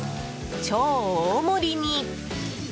超大盛りに。